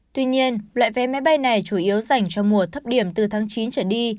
tuy nhiên loại vé máy bay này chủ yếu dành cho mùa thấp điểm từ tháng chín trở đi